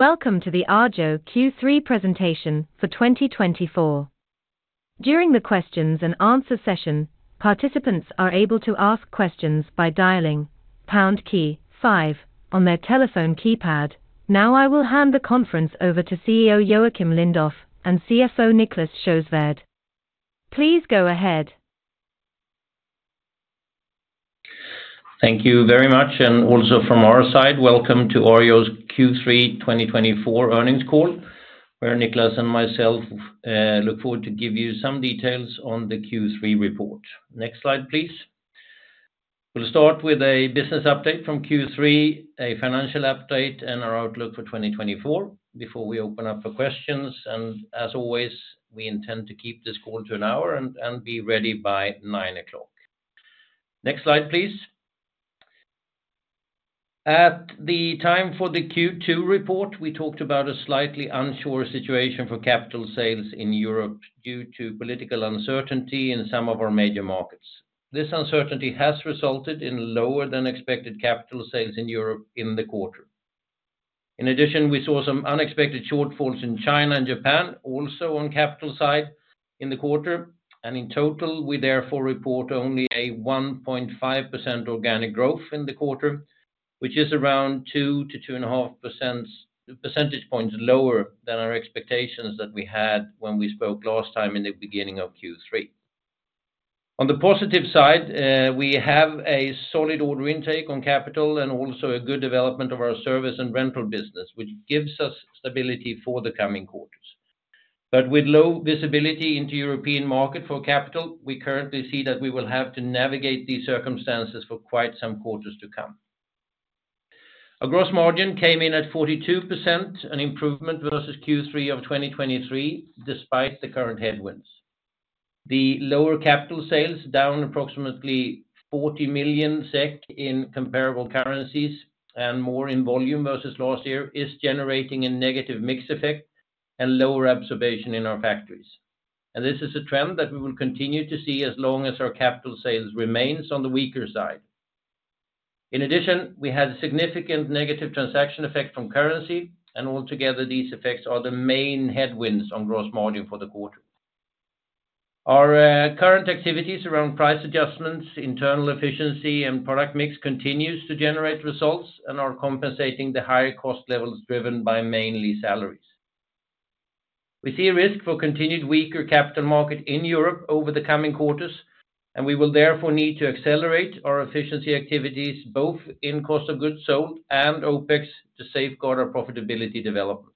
Welcome to the Arjo Q3 presentation for 2024. During the questions and answer session, participants are able to ask questions by dialing pound key five on their telephone keypad. Now, I will hand the conference over to CEO Joakim Lindoff and CFO Niclas Sjöswärd. Please go ahead. Thank you very much, and also from our side, welcome to Arjo's Q3 2024 earnings call, where Niclas and myself look forward to give you some details on the Q3 report. Next slide, please. We'll start with a business update from Q3, a financial update, and our outlook for 2024 before we open up for questions, and as always, we intend to keep this call to an hour and be ready by 9:00 A.M. Next slide, please. At the time for the Q2 report, we talked about a slightly unsure situation for capital sales in Europe due to political uncertainty in some of our major markets. This uncertainty has resulted in lower than expected capital sales in Europe in the quarter. In addition, we saw some unexpected shortfalls in China and Japan, also on capital side in the quarter, and in total, we therefore report only a 1.5% organic growth in the quarter, which is around two to two and a half percentage points lower than our expectations that we had when we spoke last time in the beginning of Q3. On the positive side, we have a solid order intake on capital and also a good development of our service and rental business, which gives us stability for the coming quarters. But with low visibility into European market for capital, we currently see that we will have to navigate these circumstances for quite some quarters to come. Our gross margin came in at 42%, an improvement versus Q3 of 2023, despite the current headwinds. The lower capital sales down approximately 40 million SEK in comparable currencies and more in volume versus last year is generating a negative mix effect and lower utilization in our factories. And this is a trend that we will continue to see as long as our capital sales remains on the weaker side. In addition, we had significant negative transaction effect from currency, and altogether, these effects are the main headwinds on gross margin for the quarter. Our current activities around price adjustments, internal efficiency, and product mix continues to generate results and are compensating the higher cost levels driven by mainly salaries. We see a risk for continued weaker capital market in Europe over the coming quarters, and we will therefore need to accelerate our efficiency activities, both in cost of goods sold and OpEx, to safeguard our profitability development.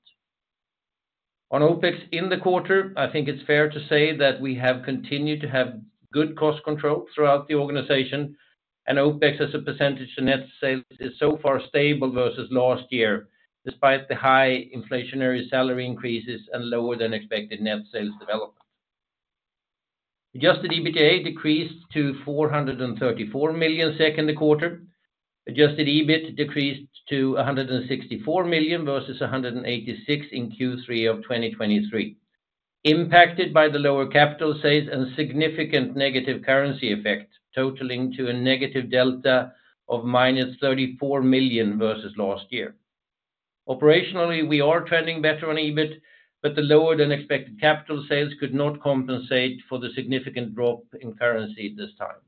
On OpEx in the quarter, I think it's fair to say that we have continued to have good cost control throughout the organization, and OpEx, as a % of net sales, is so far stable versus last year, despite the high inflationary salary increases and lower than expected net sales development. Adjusted EBITDA decreased to 434 million SEK in the quarter. Adjusted EBIT decreased to 164 million versus 186 in Q3 of 2023, impacted by the lower capital sales and significant negative currency effect, totaling to a negative delta of minus 34 million versus last year. Operationally, we are trending better on EBIT, but the lower than expected capital sales could not compensate for the significant drop in currency this time.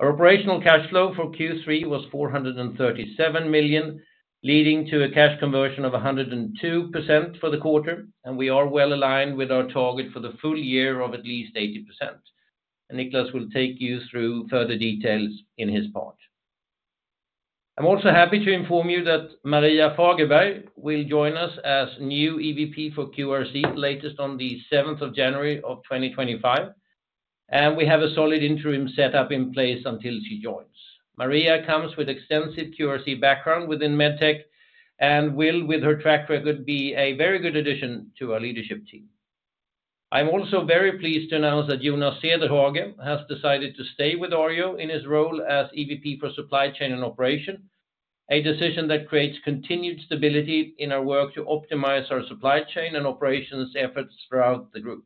Our operational cash flow for Q3 was 437 million, leading to a cash conversion of 102% for the quarter, and we are well aligned with our target for the full year of at least 80%. Niclas will take you through further details in his part. I'm also happy to inform you that Maria Fagerberg will join us as new EVP for QRC, latest on the seventh of January of 2025, and we have a solid interim set up in place until she joins. Maria comes with extensive QRC background within MedTech and will, with her track record, be a very good addition to our leadership team. I'm also very pleased to announce that Jonas Cederhagen has decided to stay with Arjo in his role as EVP for Supply Chain and Operations, a decision that creates continued stability in our work to optimize our supply chain and operations efforts throughout the group.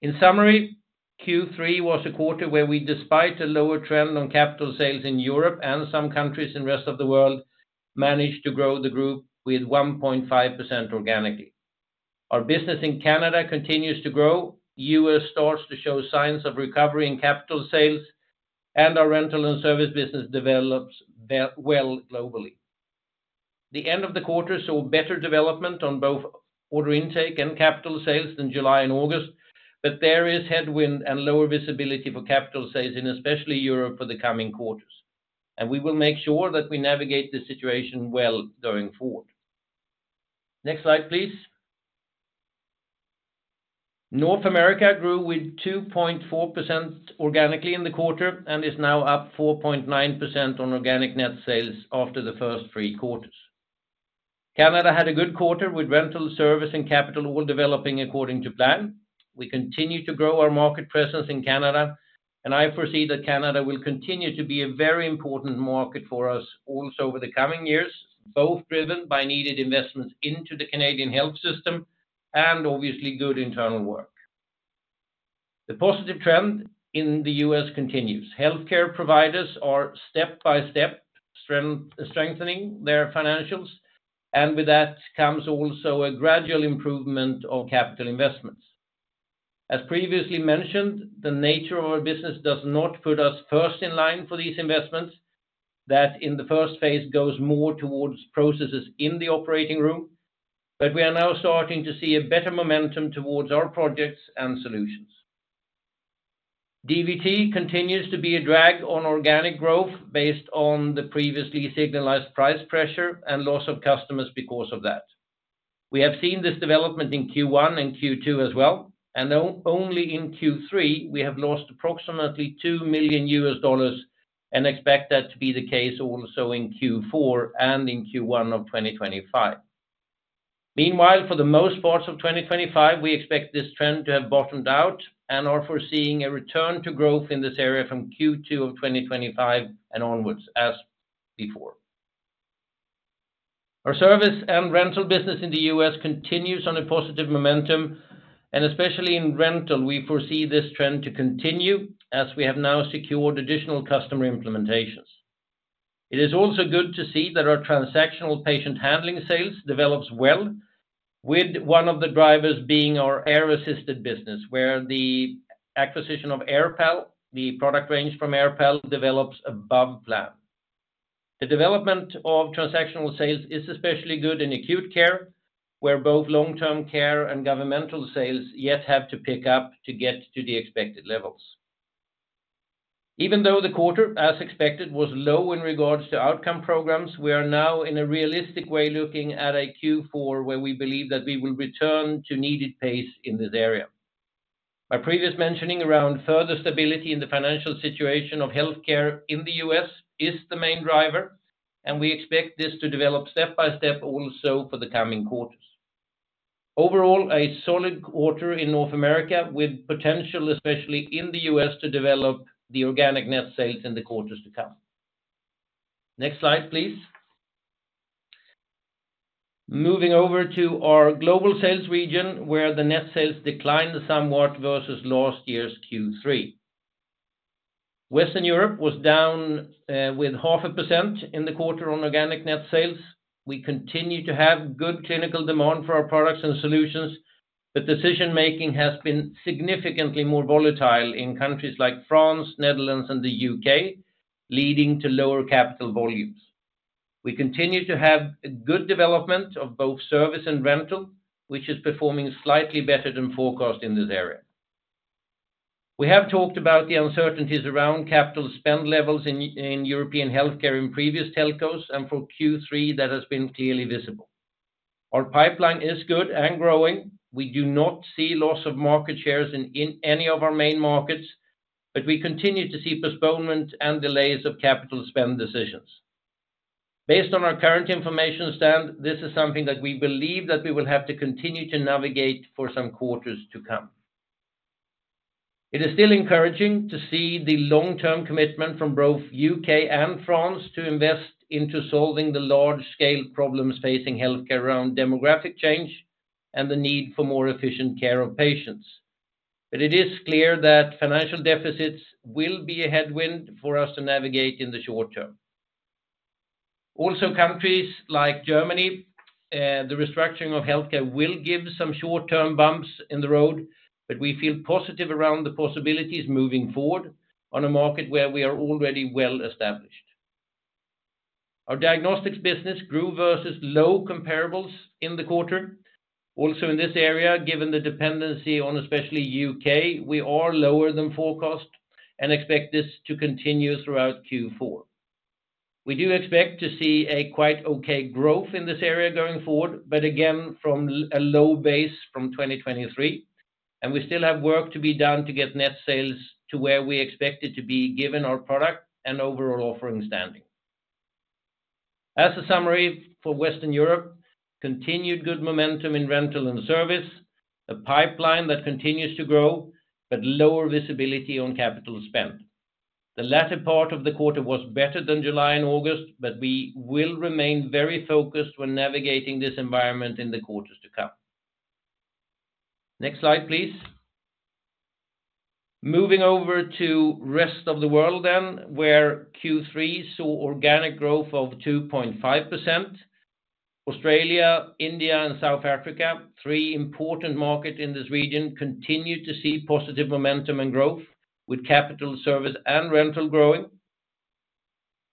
In summary, Q3 was a quarter where we, despite a lower trend on capital sales in Europe and some countries in Rest of the World, managed to grow the group with 1.5% organically. Our business in Canada continues to grow. U.S. starts to show signs of recovery in capital sales, and our rental and service business develops very well globally. The end of the quarter saw better development on both order intake and capital sales than July and August, but there is headwind and lower visibility for capital sales in especially Europe for the coming quarters, and we will make sure that we navigate this situation well going forward. Next slide, please. North America grew with 2.4% organically in the quarter and is now up 4.9% on organic net sales after the first three quarters. Canada had a good quarter with rental, service, and capital all developing according to plan. We continue to grow our market presence in Canada, and I foresee that Canada will continue to be a very important market for us also over the coming years, both driven by needed investments into the Canadian health system and obviously good internal work.... The positive trend in the U.S. continues. Healthcare providers are step-by-step strengthening their financials, and with that comes also a gradual improvement of capital investments. As previously mentioned, the nature of our business does not put us first in line for these investments, that in the first phase goes more towards processes in the operating room, but we are now starting to see a better momentum towards our projects and solutions. DVT continues to be a drag on organic growth based on the previously signaled price pressure and loss of customers because of that. We have seen this development in Q1 and Q2 as well, and only in Q3,we have lost approximately $2 million, and expect that to be the case also in Q4 and in Q1 of 2025. Meanwhile, for the most parts of twenty twenty-five, we expect this trend to have bottomed out, and are foreseeing a return to growth in this area from Q2 of twenty twenty-five and onwards, as before. Our service and rental business in the U.S. continues on a positive momentum, and especially in rental, we foresee this trend to continue as we have now secured additional customer implementations. It is also good to see that our transactional patient handling sales develops well, with one of the drivers being our air-assisted business, where the acquisition of AirPal, the product range from AirPal, develops above plan. The development of transactional sales is especially good in acute care, where both long-term care and governmental sales yet have to pick up to get to the expected levels. Even though the quarter, as expected, was low in regards to outcome programs, we are now in a realistic way looking at a Q4, where we believe that we will return to needed pace in this area. My previous mentioning around further stability in the financial situation of healthcare in the U.S. is the main driver, and we expect this to develop step by step also for the coming quarters. Overall, a solid quarter in North America, with potential, especially in the U.S., to develop the organic net sales in the quarters to come. Next slide, please. Moving over to our global sales region, where the net sales declined somewhat versus last year's Q3. Western Europe was down with 0.5% in the quarter on organic net sales. We continue to have good clinical demand for our products and solutions, but decision-making has been significantly more volatile in countries like France, Netherlands, and the UK, leading to lower capital volumes. We continue to have a good development of both service and rental, which is performing slightly better than forecast in this area. We have talked about the uncertainties around capital spend levels in European healthcare in previous telcos, and for Q3, that has been clearly visible. Our pipeline is good and growing. We do not see loss of market shares in any of our main markets, but we continue to see postponement and delays of capital spend decisions. Based on our current information standpoint, this is something that we believe that we will have to continue to navigate for some quarters to come. It is still encouraging to see the long-term commitment from both UK and France to invest into solving the large-scale problems facing healthcare around demographic change and the need for more efficient care of patients. But it is clear that financial deficits will be a headwind for us to navigate in the short term. Also, countries like Germany, the restructuring of healthcare will give some short-term bumps in the road, but we feel positive around the possibilities moving forward on a market where we are already well established. Our diagnostics business grew versus low comparables in the quarter. Also, in this area, given the dependency on especially UK, we are lower than forecast and expect this to continue throughout Q4. We do expect to see a quite okay growth in this area going forward, but again, from a low base from 2023, and we still have work to be done to get net sales to where we expect it to be, given our product and overall offering standing. As a summary for Western Europe, continued good momentum in rental and service, a pipeline that continues to grow, but lower visibility on capital spend. The latter part of the quarter was better than July and August, but we will remain very focused when navigating this environment in the quarters to come. Next slide, please. Moving over to rest of the world then, where Q3 saw organic growth of 2.5%. Australia, India, and South Africa, three important markets in this region, continued to see positive momentum and growth with capital, service, and rental growing.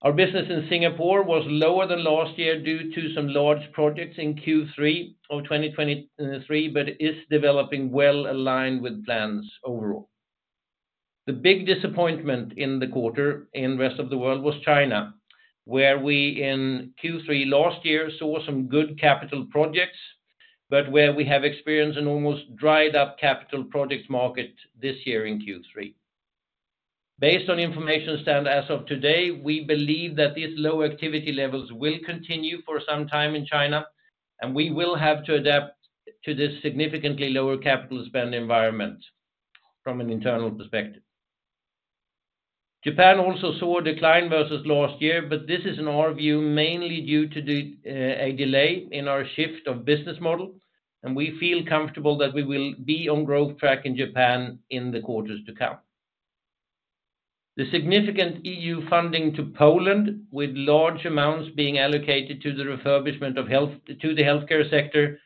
Our business in Singapore was lower than last year due to some large projects in Q3 of 2023, but it is developing well aligned with plans overall. The big disappointment in the quarter in Rest of the World was China, where we, in Q3 last year, saw some good capital projects, but where we have experienced an almost dried up capital projects market this year in Q3. Based on information stand as of today, we believe that these low activity levels will continue for some time in China, and we will have to adapt to this significantly lower capital spend environment from an internal perspective. Japan also saw a decline versus last year, but this is, in our view, mainly due to a delay in our shift of business model, and we feel comfortable that we will be on growth track in Japan in the quarters to come. The significant EU funding to Poland, with large amounts being allocated to the refurbishment of health, to the healthcare sector,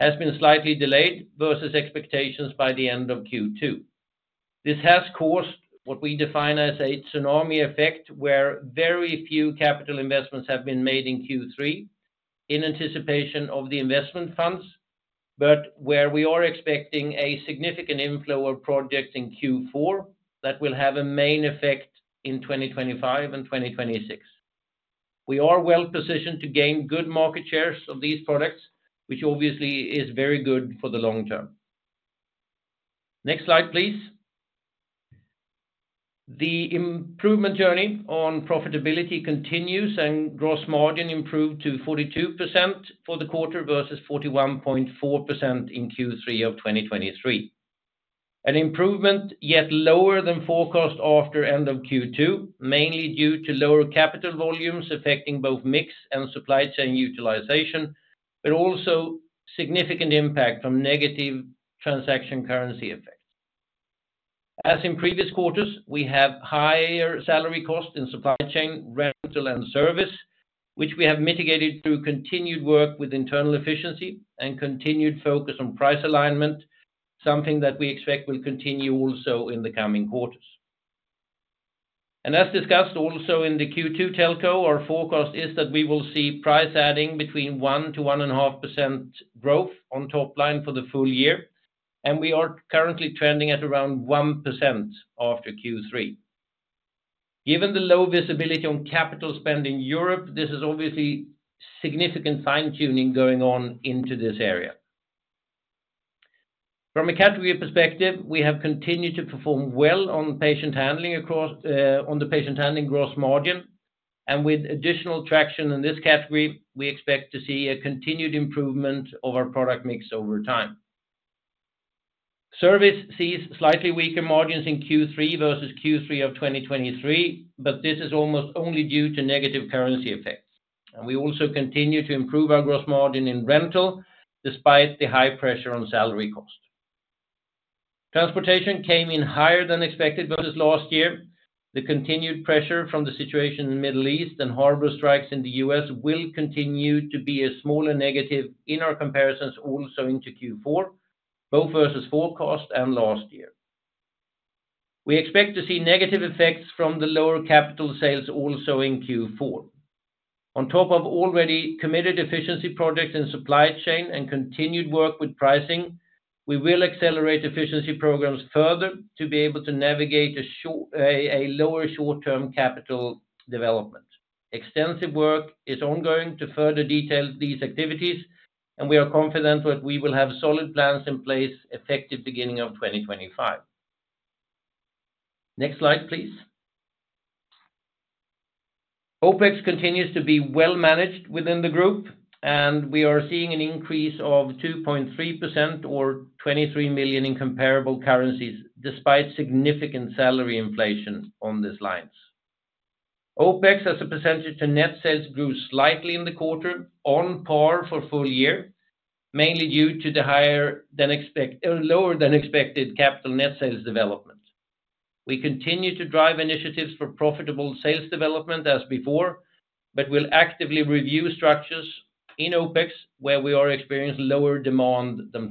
has been slightly delayed versus expectations by the end of Q2. This has caused what we define as a tsunami effect, where very few capital investments have been made in Q3 in anticipation of the investment funds, but where we are expecting a significant inflow of projects in Q4, that will have a main effect in 2025 and 2026. We are well positioned to gain good market shares of these products, which obviously is very good for the long term. Next slide, please. The improvement journey on profitability continues, and gross margin improved to 42% for the quarter versus 41.4% in Q3 of 2023. An improvement, yet lower than forecast after end of Q2, mainly due to lower capital volumes affecting both mix and supply chain utilization, but also significant impact from negative transaction currency effects. As in previous quarters, we have higher salary costs in supply chain, rental, and service, which we have mitigated through continued work with internal efficiency and continued focus on price alignment, something that we expect will continue also in the coming quarters, and as discussed also in the Q2 telco, our forecast is that we will see price adding between 1% to 1.5% growth on top line for the full year, and we are currently trending at around 1% after Q3. Given the low visibility on capital spend in Europe, this is obviously significant fine-tuning going on into this area. From a category perspective, we have continued to perform well on patient handling across, on the patient handling gross margin, and with additional traction in this category, we expect to see a continued improvement of our product mix over time. Service sees slightly weaker margins in Q3 versus Q3 of 2023, but this is almost only due to negative currency effects. And we also continue to improve our gross margin in rental, despite the high pressure on salary cost. Transportation came in higher than expected versus last year. The continued pressure from the situation in the Middle East and harbor strikes in the U.S. will continue to be a smaller negative in our comparisons, also into Q4, both versus forecast and last year. We expect to see negative effects from the lower capital sales also in Q4. On top of already committed efficiency projects in supply chain and continued work with pricing, we will accelerate efficiency programs further to be able to navigate a shorter, lower short-term capital development. Extensive work is ongoing to further detail these activities, and we are confident that we will have solid plans in place effective beginning of 2025. Next slide, please. OpEx continues to be well managed within the group, and we are seeing an increase of 2.3% or 23 million in comparable currencies, despite significant salary inflation on these lines. OpEx, as a percentage to net sales, grew slightly in the quarter, on par for full year, mainly due to the lower than expected capital net sales development. We continue to drive initiatives for profitable sales development as before, but will actively review structures in OpEx, where we are experiencing lower demand than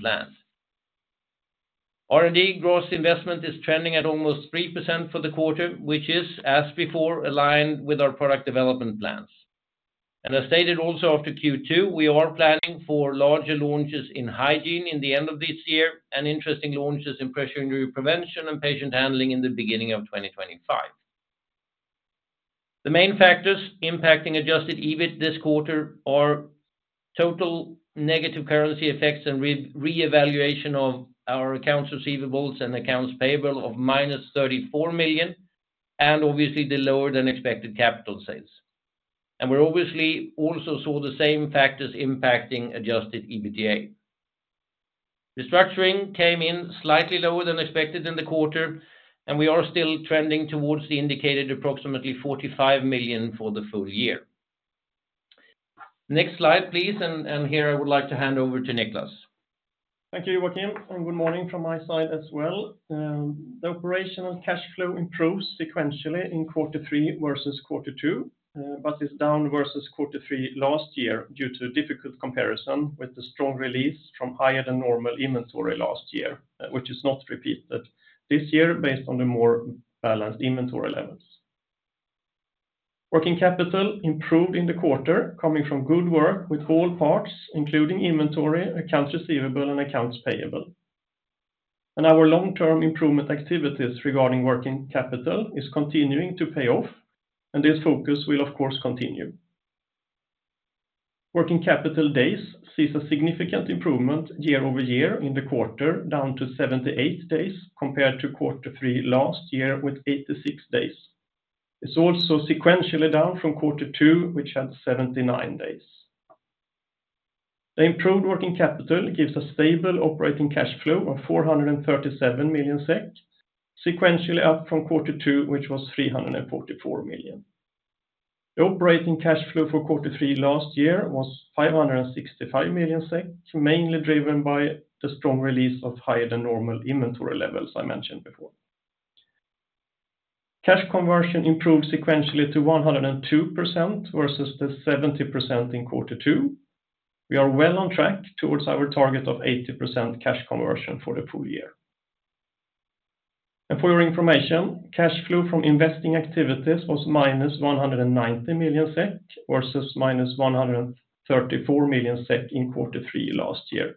planned. R&D gross investment is trending at almost 3% for the quarter, which is, as before, aligned with our product development plans. As stated also after Q2, we are planning for larger launches in hygiene in the end of this year and interesting launches in pressure injury prevention and patient handling in the beginning of 2025. The main factors impacting adjusted EBIT this quarter are total negative currency effects and reevaluation of our accounts receivables and accounts payable of -34 million, and obviously the lower than expected capital sales. We obviously also saw the same factors impacting adjusted EBITDA. The structuring came in slightly lower than expected in the quarter, and we are still trending towards the indicated approximately 45 million for the full year. Next slide, please, and here I would like to hand over to Niclas. Thank you, Joakim, and good morning from my side as well. The operational cash flow improves sequentially in quarter three versus quarter two, but is down versus quarter three last year, due to difficult comparison with the strong release from higher than normal inventory last year, which is not repeated this year based on the more balanced inventory levels. Working capital improved in the quarter, coming from good work with all parts, including inventory, accounts receivable, and accounts payable. Our long-term improvement activities regarding working capital is continuing to pay off, and this focus will, of course, continue. Working capital days sees a significant improvement year over year in the quarter, down to 78 days, compared to quarter three last year, with 86 days. It's also sequentially down from quarter two, which had 79 days. The improved working capital gives a stable operating cash flow of 437 million SEK, sequentially up from quarter two, which was 344 million. The operating cash flow for quarter three last year was 565 million SEK, mainly driven by the strong release of higher than normal inventory levels I mentioned before. Cash conversion improved sequentially to 102%, versus the 70% in quarter two. We are well on track towards our target of 80% cash conversion for the full year. And for your information, cash flow from investing activities was -190 million SEK, versus -134 million SEK in quarter three last year.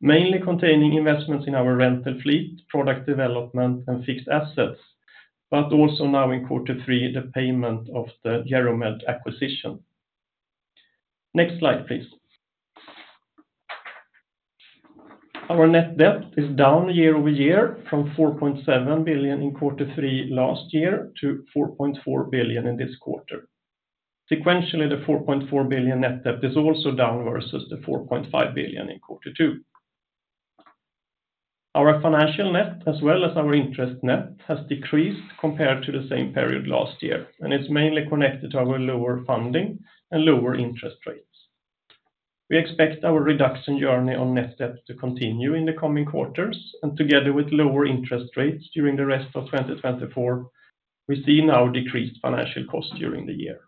Mainly containing investments in our rental fleet, product development, and fixed assets, but also now in quarter three, the payment of the Geromed acquisition. Next slide, please. Our net debt is down year over year from 4.7 billion in quarter three last year to 4.4 billion in this quarter. Sequentially, the 4.4 billion net debt is also down versus the 4.5 billion in quarter two. Our financial net, as well as our interest net, has decreased compared to the same period last year, and it's mainly connected to our lower funding and lower interest rates. We expect our reduction journey on net debt to continue in the coming quarters, and together with lower interest rates during the rest of 2024, we see now decreased financial cost during the year.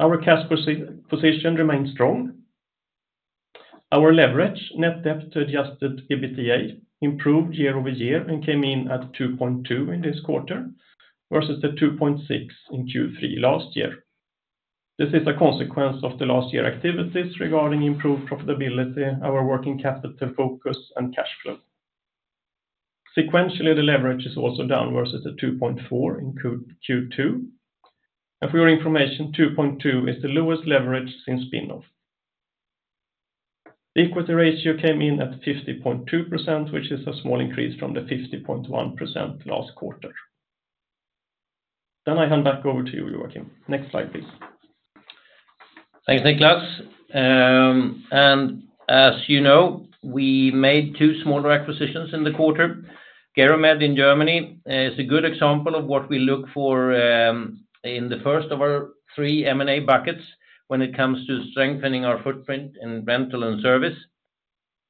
Our cash position remains strong. Our leverage, net debt to adjusted EBITDA, improved year over year and came in at 2.2 in this quarter, versus the 2.6 in Q3 last year. This is a consequence of the last year activities regarding improved profitability, our working capital focus, and cash flow. Sequentially, the leverage is also down versus the 2.4 in Q2. And for your information, 2.2 is the lowest leverage since spin-off. Equity ratio came in at 50.2%, which is a small increase from the 50.1% last quarter. Then I hand back over to you, Joakim. Next slide, please. Thank you, Niclas. As you know, we made two smaller acquisitions in the quarter. Geromed in Germany is a good example of what we look for, in the first of our three M&A buckets when it comes to strengthening our footprint in rental and service.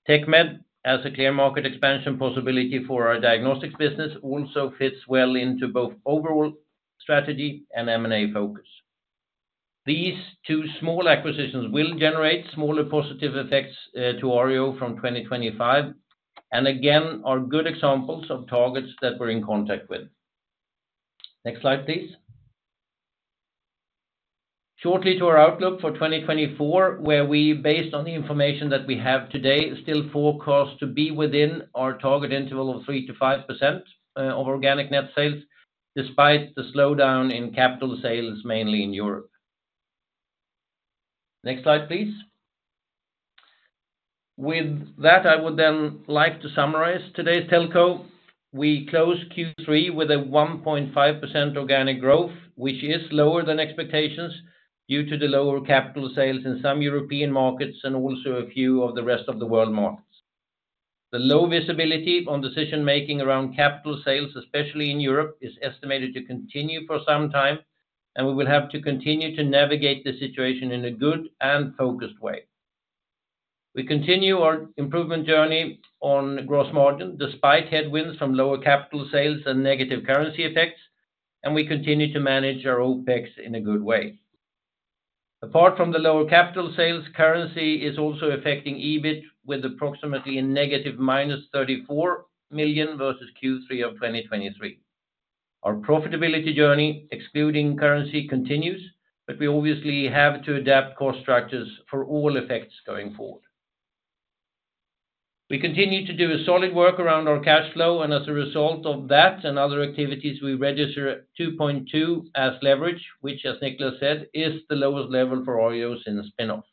Techmed, as a clear market expansion possibility for our diagnostics business, also fits well into both overall strategy and M&A focus. These two small acquisitions will generate smaller positive effects, to Arjo from twenty twenty-five, and again, are good examples of targets that we're in contact with. Next slide, please. Shortly to our outlook for twenty twenty-four, where we, based on the information that we have today, still forecast to be within our target interval of 3-5%, of organic net sales, despite the slowdown in capital sales, mainly in Europe. Next slide, please. With that, I would then like to summarize today's telco. We closed Q3 with a 1.5% organic growth, which is lower than expectations due to the lower capital sales in some European markets and also a few of the rest of the world markets. The low visibility on decision-making around capital sales, especially in Europe, is estimated to continue for some time, and we will have to continue to navigate the situation in a good and focused way. We continue our improvement journey on gross margin, despite headwinds from lower capital sales and negative currency effects, and we continue to manage our OpEx in a good way. Apart from the lower capital sales, currency is also affecting EBIT with approximately a negative minus 34 million versus Q3 of 2023. Our profitability journey, excluding currency, continues, but we obviously have to adapt cost structures for all effects going forward. We continue to do a solid work around our cash flow, and as a result of that and other activities, we register at 2.2 as leverage, which, as Niclas said, is the lowest level for Arjo in the spin-off.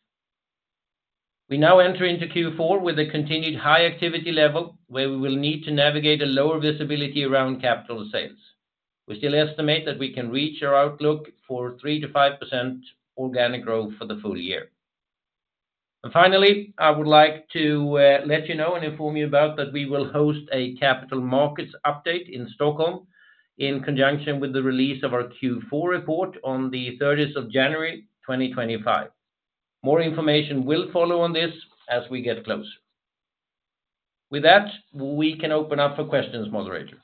We now enter into Q4 with a continued high activity level, where we will need to navigate a lower visibility around capital sales. We still estimate that we can reach our outlook for 3-5% organic growth for the full year. And finally, I would like to let you know and inform you about that we will host a capital markets update in Stockholm in conjunction with the release of our Q4 report on the thirtieth of January, 2025. More information will follow on this as we get closer. With that, we can open up for questions, moderator.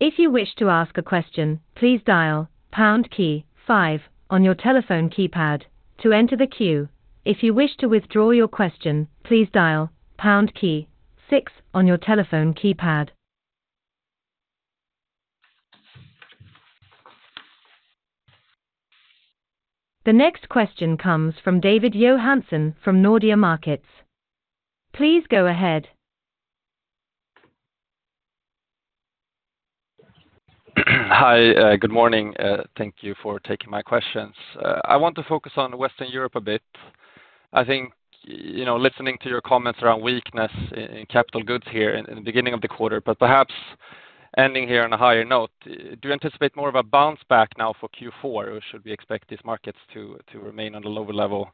If you wish to ask a question, please dial pound key five on your telephone keypad to enter the queue. If you wish to withdraw your question, please dial pound key six on your telephone keypad. The next question comes from David Johansson from Nordea Markets. Please go ahead. Hi, good morning. Thank you for taking my questions. I want to focus on Western Europe a bit. I think, you know, listening to your comments around weakness in capital goods here in the beginning of the quarter, but perhaps ending here on a higher note, do you anticipate more of a bounce back now for Q4, or should we expect these markets to remain on a lower level?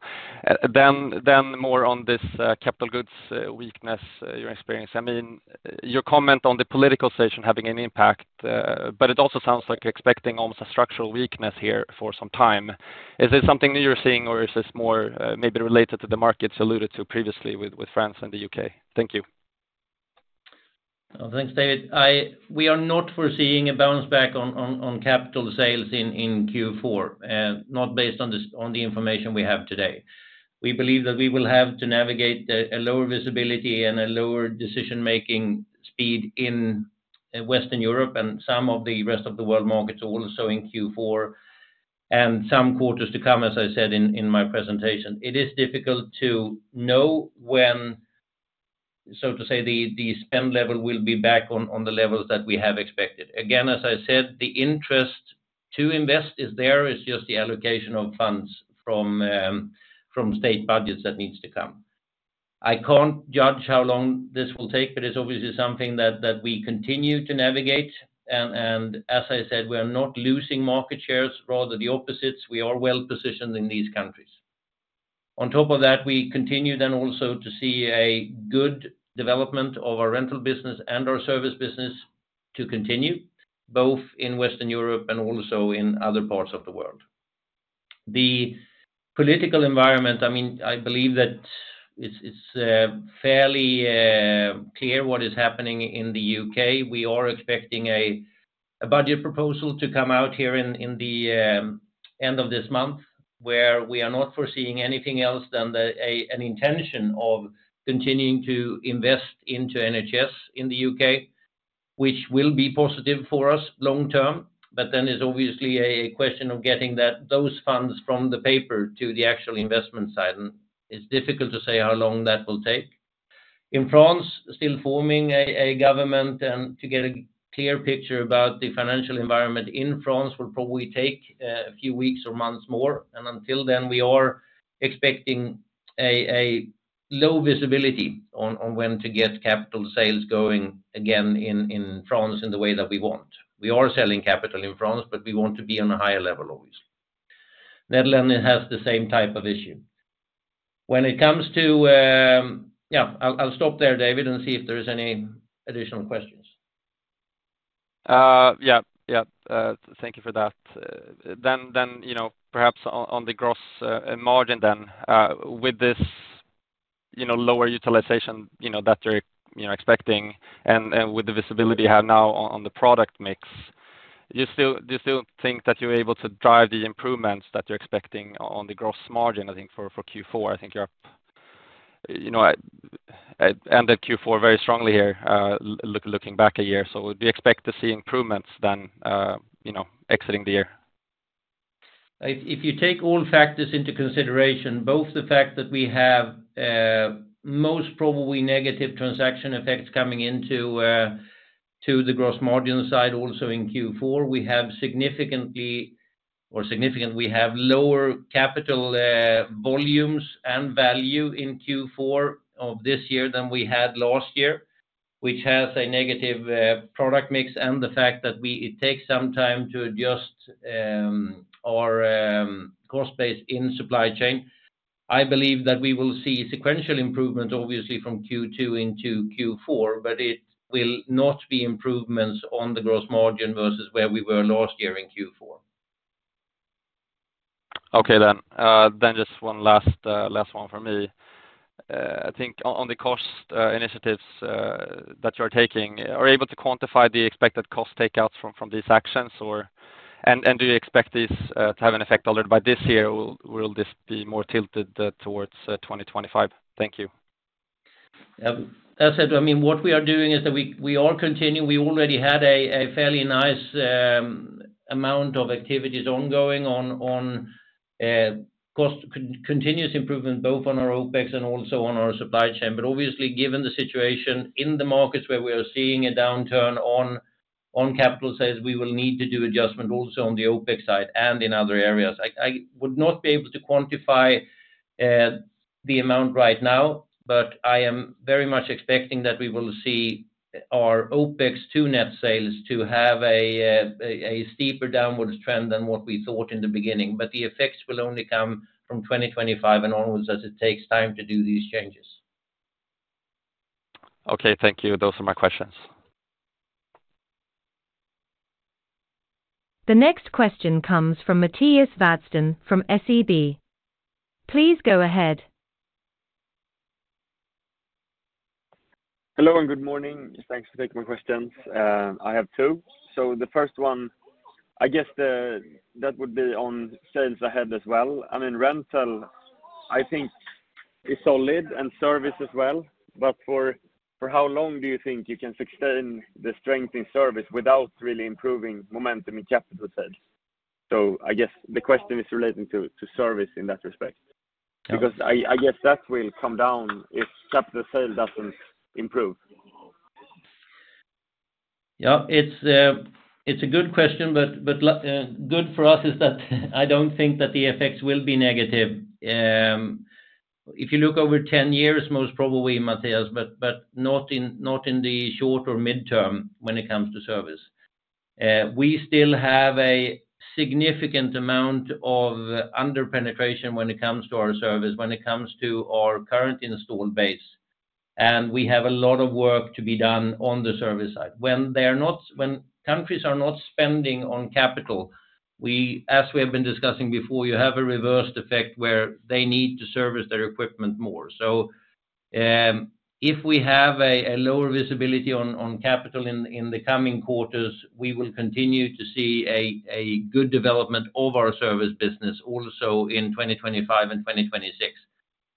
Then, more on this capital goods weakness you're experiencing. I mean, your comment on the political situation having an impact, but it also sounds like you're expecting almost a structural weakness here for some time. Is this something that you're seeing, or is this more, maybe related to the markets alluded to previously with France and the UK? Thank you. Well, thanks, David. We are not foreseeing a bounce back on capital sales in Q4, not based on the information we have today. We believe that we will have to navigate a lower visibility and a lower decision-making speed in Western Europe and some of the rest of the world markets also in Q4, and some quarters to come, as I said in my presentation. It is difficult to know when, so to say, the spend level will be back on the levels that we have expected. Again, as I said, the interest to invest is there, it's just the allocation of funds from state budgets that needs to come. I can't judge how long this will take, but it's obviously something that we continue to navigate. As I said, we are not losing market shares, rather the opposites. We are well-positioned in these countries. On top of that, we continue then also to see a good development of our rental business and our service business to continue, both in Western Europe and also in other parts of the world. The political environment, I mean, I believe that it's fairly clear what is happening in the UK. We are expecting a budget proposal to come out here in the end of this month, where we are not foreseeing anything else than an intention of continuing to invest into NHS in the UK, which will be positive for us long term. But then there's obviously a question of getting that, those funds from the paper to the actual investment side, and it's difficult to say how long that will take. In France, still forming a government, and to get a clear picture about the financial environment in France will probably take a few weeks or months more. And until then, we are expecting a low visibility on when to get capital sales going again in France in the way that we want. We are selling capital in France, but we want to be on a higher level, always. Netherlands has the same type of issue. When it comes to... Yeah, I'll stop there, David, and see if there's any additional questions. Yeah, yeah. Thank you for that. Then, you know, perhaps on the gross margin then, with this, you know, lower utilization, you know, that you're, you know, expecting, and with the visibility you have now on the product mix, do you still think that you're able to drive the improvements that you're expecting on the gross margin, I think, for Q4? I think you're, you know, ended Q4 very strongly here, looking back a year. So do you expect to see improvements then, you know, exiting the year? If you take all factors into consideration, both the fact that we have most probably negative transaction effects coming into to the gross margin side, also in Q4, we have significantly lower capital volumes and value in Q4 of this year than we had last year, which has a negative product mix, and the fact that it takes some time to adjust our cost base in supply chain. I believe that we will see sequential improvement, obviously, from Q2 into Q4, but it will not be improvements on the gross margin versus where we were last year in Q4. Okay, then. Then just one last one from me. I think on the cost initiatives that you're taking, are you able to quantify the expected cost takeouts from these actions or... And do you expect this to have an effect earlier by this year, or will this be more tilted towards twenty twenty-five? Thank you. As I said, I mean, what we are doing is that we are continuing. We already had a fairly nice amount of activities ongoing on cost continuous improvement, both on our OpEx and also on our supply chain. But obviously, given the situation in the markets where we are seeing a downturn on capital sales, we will need to do adjustment also on the OpEx side and in other areas. I would not be able to quantify the amount right now, but I am very much expecting that we will see our OpEx to net sales to have a steeper downwards trend than what we thought in the beginning. But the effects will only come from twenty twenty-five and onwards, as it takes time to do these changes. Okay, thank you. Those are my questions. The next question comes from Mattias Vadsten from SEB. Please go ahead. Hello, and good morning. Thanks. Take my questions. I have two. So the first one, I guess, that would be on sales ahead as well. I mean, rental, I think is solid and service as well, but for how long do you think you can sustain the strength in service without really improving momentum in capital sales? So I guess the question is relating to service in that respect. Yeah. Because I guess that will come down if capital sales doesn't improve. Yeah, it's a good question, but good for us is that I don't think that the effects will be negative. If you look over ten years, most probably, Matthias, but not in the short or midterm when it comes to service. We still have a significant amount of under-penetration when it comes to our service, when it comes to our current installed base, and we have a lot of work to be done on the service side. When countries are not spending on capital, we, as we have been discussing before, you have a reversed effect where they need to service their equipment more. If we have a lower visibility on capital in the coming quarters, we will continue to see a good development of our service business also in 2025 and 2026,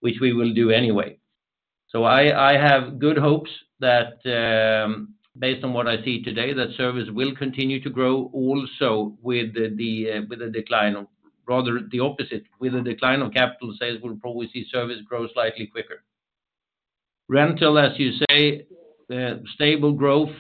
which we will do anyway. I have good hopes that, based on what I see today, that service will continue to grow also. Rather the opposite, with the decline of capital sales, we'll probably see service grow slightly quicker. Rental, as you say, stable growth,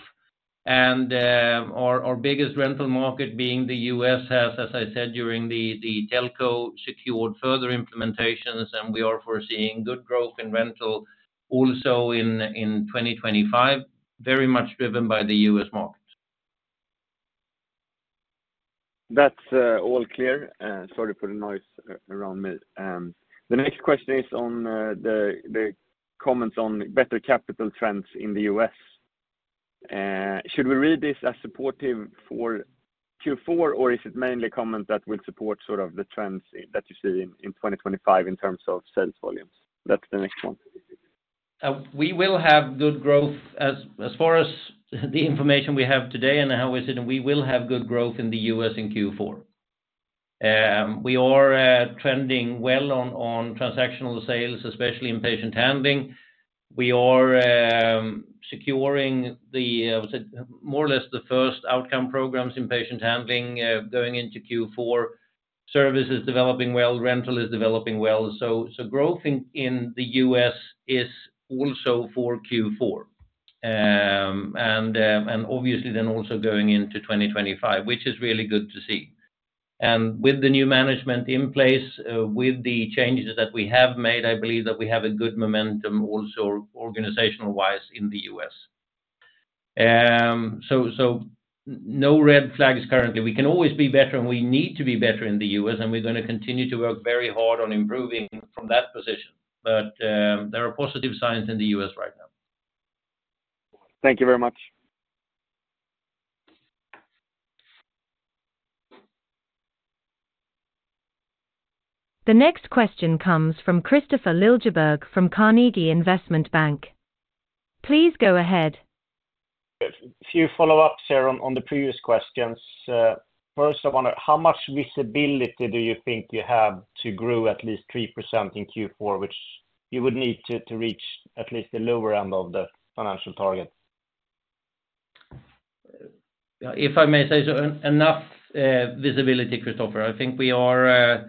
and our biggest rental market being the U.S. has, as I said during the teleconference, secured further implementations, and we are foreseeing good growth in rental also in 2025, very much driven by the U.S. market. That's all clear. Sorry for the noise around me. The next question is on the comments on better capital trends in the U.S. Should we read this as supportive for Q4, or is it mainly comments that will support sort of the trends that you see in 2025 in terms of sales volumes? That's the next one. We will have good growth. As far as the information we have today, we will have good growth in the US in Q4. We are trending well on transactional sales, especially in patient handling. We are securing more or less the first outcome programs in patient handling going into Q4. Service is developing well, rental is developing well, so growth in the US is also for Q4. Obviously then also going into 2025, which is really good to see. With the new management in place, with the changes that we have made, I believe that we have a good momentum also organizational-wise in the US. No red flags currently. We can always be better, and we need to be better in the U.S., and we're gonna continue to work very hard on improving from that position. But, there are positive signs in the U.S. right now. Thank you very much. The next question comes from Kristofer Liljeberg, from Carnegie Investment Bank. Please go ahead. A few follow-ups here on the previous questions. First, I wonder, how much visibility do you think you have to grow at least 3% in Q4, which you would need to, to reach at least the lower end of the financial target? If I may say so, enough visibility, Christopher. I think we are,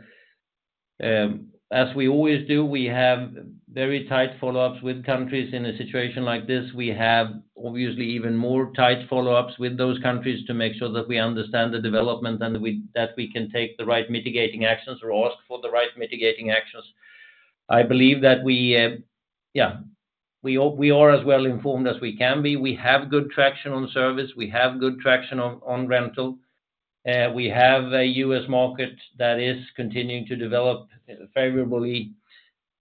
as we always do, we have very tight follow-ups with countries in a situation like this. We have obviously even more tight follow-ups with those countries to make sure that we understand the development and that we can take the right mitigating actions or ask for the right mitigating actions. I believe that we are as well informed as we can be. We have good traction on service, we have good traction on rental, we have a U.S. market that is continuing to develop favorably.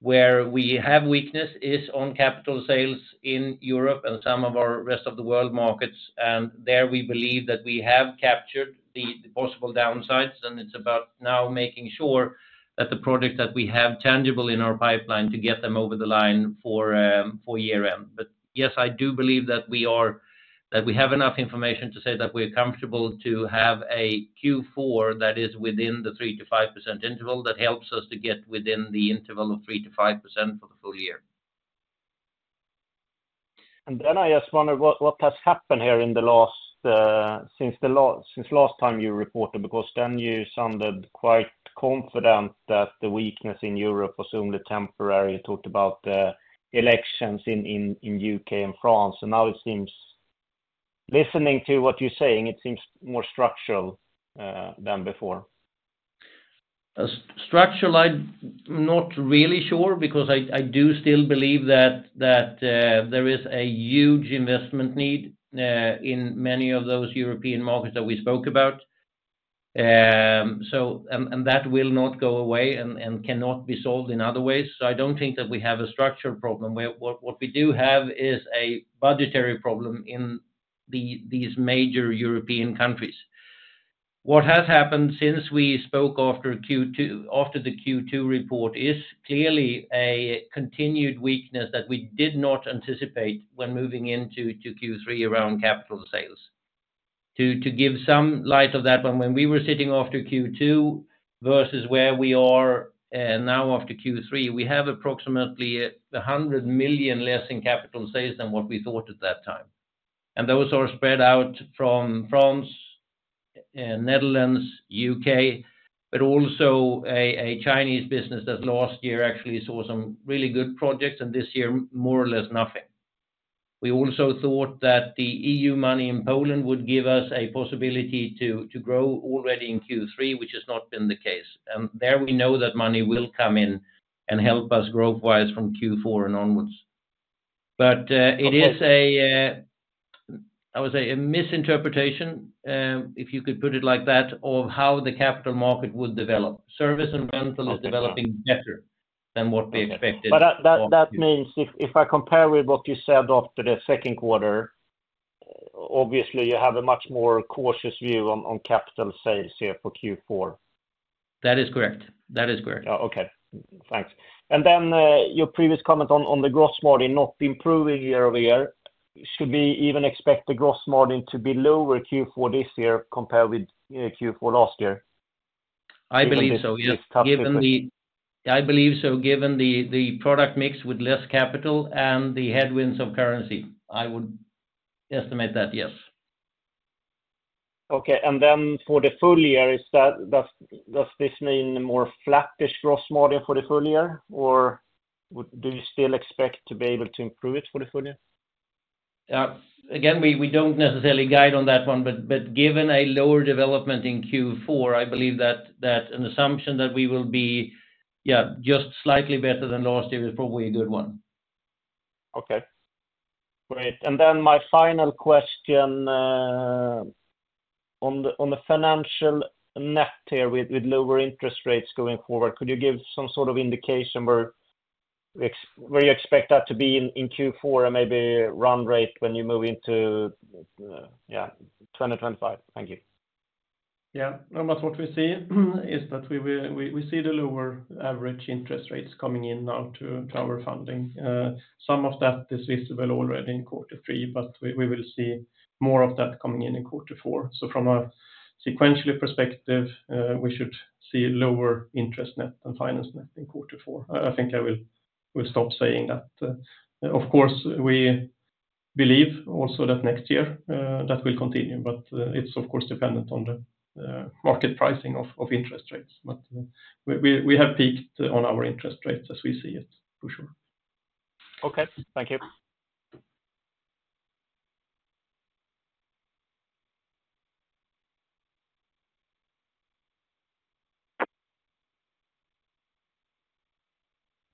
Where we have weakness is on capital sales in Europe and some of our rest of the world markets, and there, we believe that we have captured the possible downsides, and it's about now making sure that the product that we have tangible in our pipeline, to get them over the line for year-end, but yes, I do believe that we have enough information to say that we're comfortable to have a Q4 that is within the 3%-5% interval. That helps us to get within the interval of 3%-5% for the full year. And then I just wonder what has happened here in the last, since last time you reported, because then you sounded quite confident that the weakness in Europe was only temporary. You talked about the elections in UK and France, and now it seems, listening to what you're saying, it seems more structural than before. Structural, I'm not really sure, because I do still believe that there is a huge investment need in many of those European markets that we spoke about. So, and that will not go away and cannot be solved in other ways. So I don't think that we have a structural problem. What we do have is a budgetary problem in these major European countries. What has happened since we spoke after the Q2 report is clearly a continued weakness that we did not anticipate when moving into Q3 around capital sales. To give some light on that, but when we were sitting after Q2 versus where we are now after Q3, we have approximately 100 million less in capital sales than what we thought at that time. And those are spread out from France-... Netherlands, UK, but also a Chinese business that last year actually saw some really good projects, and this year, more or less nothing. We also thought that the EU money in Poland would give us a possibility to grow already in Q3, which has not been the case, and there we know that money will come in and help us growth-wise from Q4 and onwards, but it is, I would say, a misinterpretation, if you could put it like that, of how the capital market would develop. Service and rental is developing better than what we expected. But that means if I compare with what you said after the second quarter, obviously, you have a much more cautious view on capital sales here for Q4. That is correct. That is correct. Oh, okay. Thanks. And then, your previous comment on the gross margin not improving year-over-year, should we even expect the gross margin to be lower Q4 this year compared with Q4 last year? I believe so, yes. Given the- I believe so, given the product mix with less capital and the headwinds of currency, I would estimate that, yes. Okay. And then for the full year, does this mean a more flattish gross margin for the full year, or do you still expect to be able to improve it for the full year? Again, we don't necessarily guide on that one, but given a lower development in Q4, I believe that an assumption that we will be, yeah, just slightly better than last year is probably a good one. Okay. Great. And then my final question, on the financial net here with lower interest rates going forward, could you give some sort of indication where you expect that to be in Q4 and maybe run rate when you move into 2025? Thank you. Yeah. Almost what we see is that we will see the lower average interest rates coming in now to our funding. Some of that is visible already in quarter three, but we will see more of that coming in in quarter four. So from a sequential perspective, we should see lower interest net and finance net in quarter four. I think I will stop saying that. Of course, we believe also that next year that will continue, but it's of course dependent on the market pricing of interest rates. But we have peaked on our interest rates as we see it, for sure. Okay. Thank you.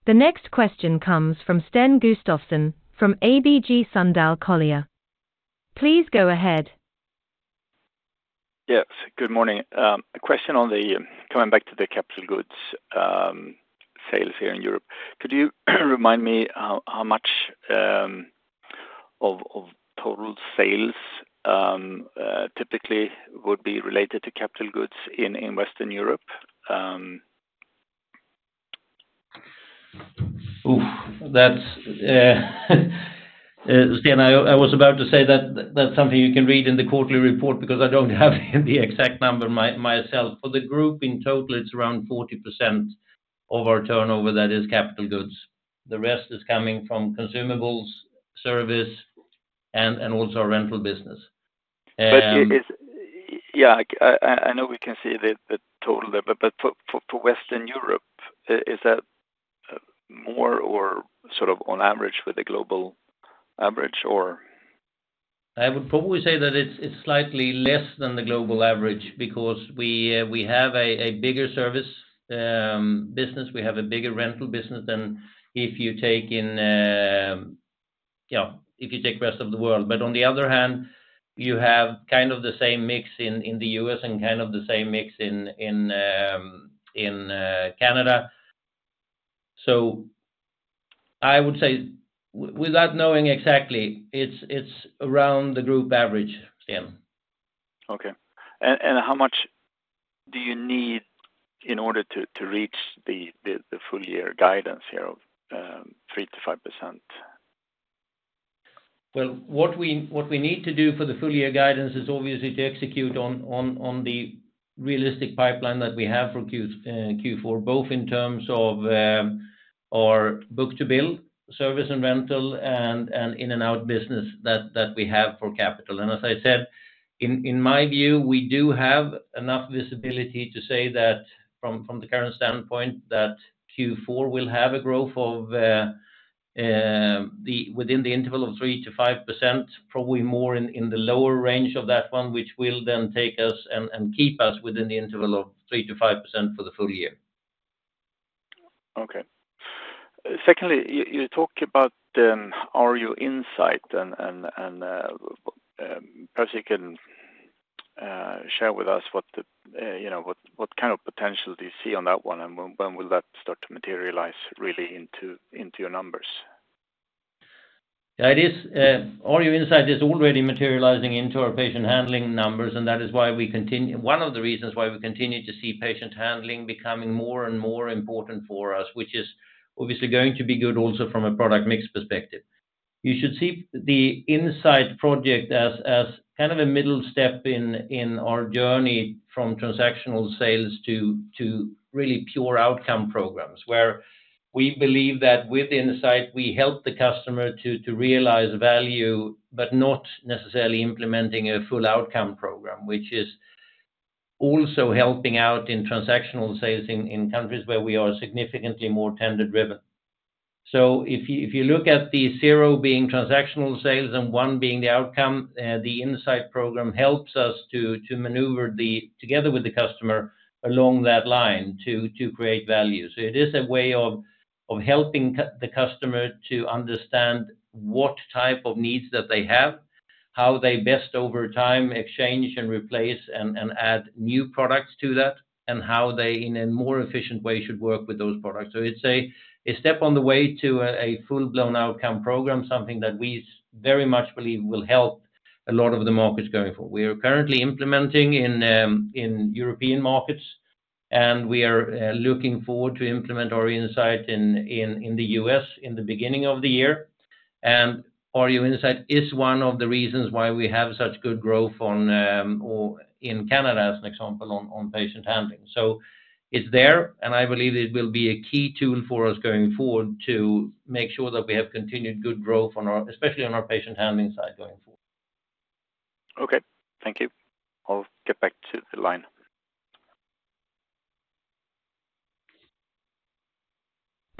The next question comes from Sten Gustafsson, from ABG Sundal Collier. Please go ahead. Yes, good morning. A question on coming back to the capital goods sales here in Europe. Could you remind me how much of total sales typically would be related to capital goods in Western Europe? Sten, I was about to say that that's something you can read in the quarterly report, because I don't have the exact number myself. For the group, in total, it's around 40% of our turnover that is capital goods. The rest is coming from consumables, service, and also our rental business. But yeah, I know we can see the total there, but for Western Europe, is that more or sort of on average with the global average, or? I would probably say that it's slightly less than the global average because we have a bigger service business, we have a bigger rental business than if you take in, you know, if you take Rest of the World. But on the other hand, you have kind of the same mix in the U.S. and kind of the same mix in Canada. So I would say, without knowing exactly, it's around the group average, Sten. Okay. And how much do you need in order to reach the full year guidance here of 3%-5%? What we need to do for the full year guidance is obviously to execute on the realistic pipeline that we have for Q4, both in terms of our book to build, service and rental, and in and out business that we have for capital. As I said, in my view, we do have enough visibility to say that from the current standpoint, that Q4 will have a growth within the interval of 3%-5%, probably more in the lower range of that one, which will then take us and keep us within the interval of 3%-5% for the full year. Okay. Secondly, you talk about our new Insight and perhaps you can share with us what you know, what kind of potential do you see on that one? And when will that start to materialize really into your numbers? Yeah, it is, our new Insight is already materializing into our patient handling numbers, and that is why we continue one of the reasons why we continue to see patient handling becoming more and more important for us, which is obviously going to be good also from a product mix perspective. You should see the Insight project as kind of a middle step in our journey from transactional sales to really pure outcome programs, where we believe that with insight, we help the customer to realize value, but not necessarily implementing a full outcome program, which is also helping out in transactional sales in countries where we are significantly more tender driven. So if you, if you look at the zero being transactional sales and one being the outcome, the insight program helps us to maneuver together with the customer along that line to create value. So it is a way of helping the customer to understand what type of needs that they have, how they best over time exchange and replace, and add new products to that, and how they, in a more efficient way, should work with those products. So it's a step on the way to a full-blown outcome program, something that we very much believe will help a lot of the markets going forward. We are currently implementing in European markets, and we are looking forward to implement our Insight in the US in the beginning of the year. Our Insight is one of the reasons why we have such good growth on, or in Canada, as an example, on patient handling. So it's there, and I believe it will be a key tool for us going forward to make sure that we have continued good growth on our, especially on our patient handling side, going forward. Okay, thank you. I'll get back to the line.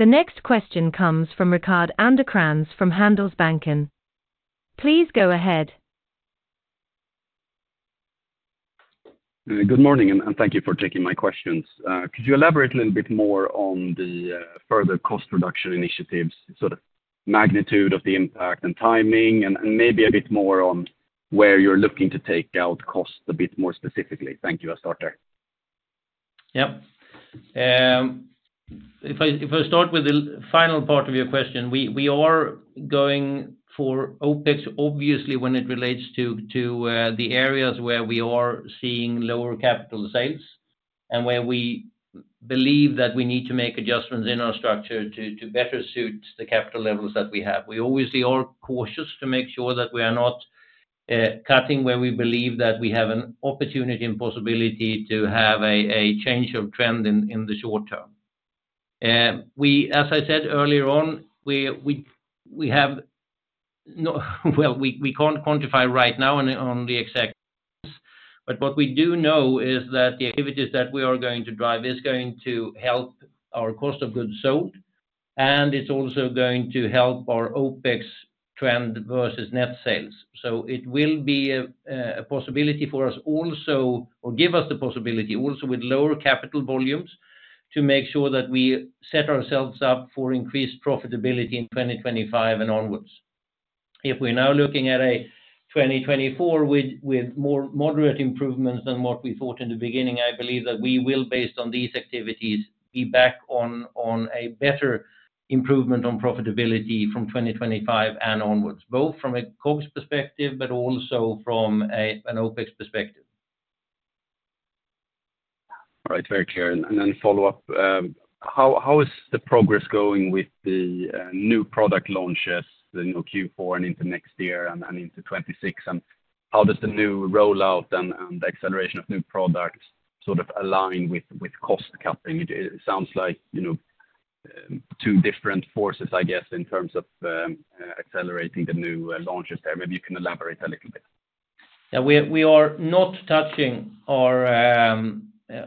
The next question comes from Rickard Anderkrans from Handelsbanken. Please go ahead. Good morning, and thank you for taking my questions. Could you elaborate a little bit more on the further cost reduction initiatives, sort of magnitude of the impact and timing, and maybe a bit more on where you're looking to take out costs a bit more specifically? Thank you. I'll start there. Yep. If I start with the final part of your question, we are going for OpEx, obviously, when it relates to the areas where we are seeing lower capital sales, and where we believe that we need to make adjustments in our structure to better suit the capital levels that we have. We always are cautious to make sure that we are not cutting where we believe that we have an opportunity and possibility to have a change of trend in the short term. As I said earlier on, we can't quantify right now on the exact, but what we do know is that the activities that we are going to drive is going to help our cost of goods sold, and it's also going to help our OpEx trend versus net sales, so it will be a possibility for us also, or give us the possibility also with lower capital volumes, to make sure that we set ourselves up for increased profitability in twenty twenty-five and onwards. If we're now looking at a 2024 with more moderate improvements than what we thought in the beginning, I believe that we will, based on these activities, be back on a better improvement on profitability from 2025 and onwards, both from a COGS perspective, but also from an OpEx perspective. All right, very clear. And then follow up, how is the progress going with the new product launches in, you know, Q4 and into next year and into 2026? And how does the new rollout and the acceleration of new products sort of align with cost cutting? It sounds like, you know, two different forces, I guess, in terms of accelerating the new launches there. Maybe you can elaborate a little bit. Yeah, we are not touching our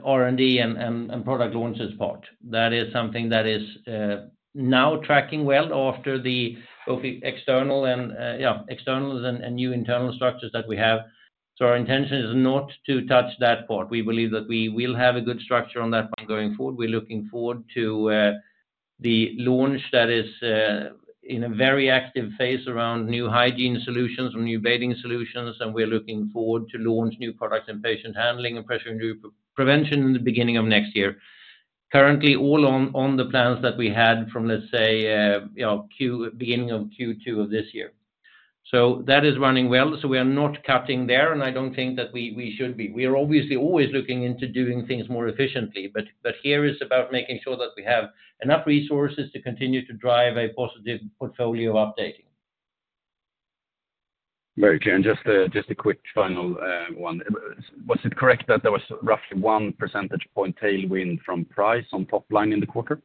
R&D and product launches part. That is something that is now tracking well after both the external and new internal structures that we have. So our intention is not to touch that part. We believe that we will have a good structure on that part going forward. We're looking forward to the launch that is in a very active phase around new hygiene solutions and new bathing solutions, and we're looking forward to launch new products in patient handling and pressure injury prevention in the beginning of next year. Currently, all on the plans that we had from, let's say, you know, beginning of Q2 of this year. That is running well, so we are not cutting there, and I don't think that we should be. We are obviously always looking into doing things more efficiently, but here is about making sure that we have enough resources to continue to drive a positive portfolio updating. Very clear, and just a quick final one. Was it correct that there was roughly one percentage point tailwind from price on top line in the quarter?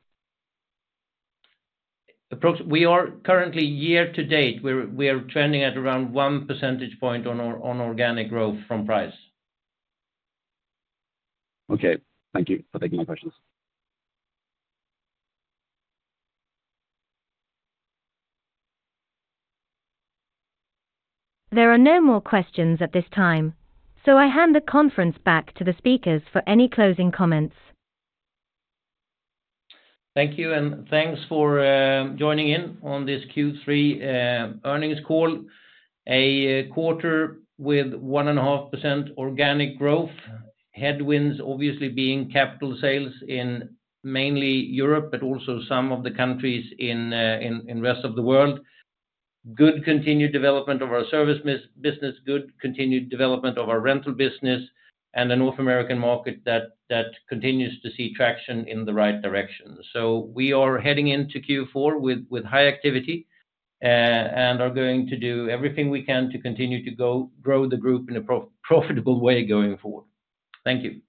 We are currently year to date. We're trending at around one percentage point on organic growth from price. Okay. Thank you for taking my questions. There are no more questions at this time, so I hand the conference back to the speakers for any closing comments. Thank you, and thanks for joining in on this Q3 earnings call. A quarter with 1.5% organic growth, headwinds obviously being capital sales in mainly Europe, but also some of the countries in rest of the world. Good continued development of our service business, good continued development of our rental business, and the North American market that continues to see traction in the right direction so we are heading into Q4 with high activity, and are going to do everything we can to continue to grow the group in a profitable way going forward. Thank you.